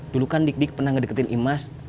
dulu kan dik dik pernah ngedeketin imas